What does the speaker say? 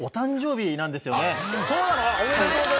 そうなの？